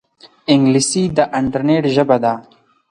انګلیسي د انټرنیټ ژبه ده